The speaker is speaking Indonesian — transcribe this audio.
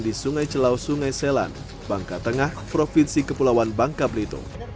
di sungai celau sungai selan bangka tengah provinsi kepulauan bangka belitung